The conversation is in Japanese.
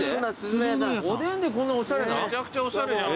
めちゃくちゃおしゃれじゃん。